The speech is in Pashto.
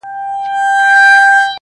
• که کتل یې چي مېړه یې یک تنها دی -